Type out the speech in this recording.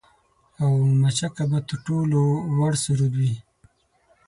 او مچکه به تر ټولو وُړ سرود وي